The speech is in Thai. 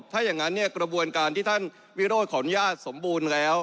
ถ้าอย่างนั้นเนี่ยกระบวนการที่ท่านวิโรธขออนุญาตสมบูรณ์แล้ว